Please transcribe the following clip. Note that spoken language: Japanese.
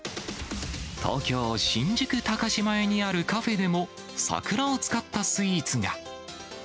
東京・新宿高島屋にあるカフェでも、桜を使ったスイーツが。